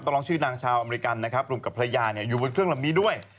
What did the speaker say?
ร้องชื่อนางชาวอเมริกันนะครับรวมกับภรรยาอยู่บนเครื่องลำนี้ด้วย